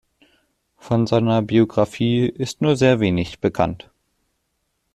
Von seiner Biographie ist nur sehr wenig bekannt.